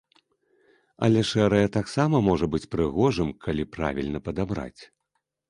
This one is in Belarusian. Але шэрае таксама можа быць прыгожым, калі правільна падабраць.